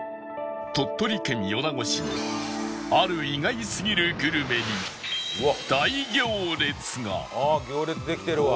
鳥取県米子市のある意外すぎるグルメに大行列がああ行列できてるわ。